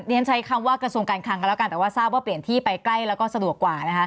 ฉันใช้คำว่ากระทรวงการคลังกันแล้วกันแต่ว่าทราบว่าเปลี่ยนที่ไปใกล้แล้วก็สะดวกกว่านะคะ